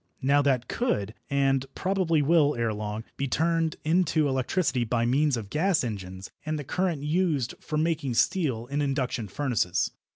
Now that could, and probably will ere long, be turned into electricity by means of gas engines and the current used for making steel in induction furnaces.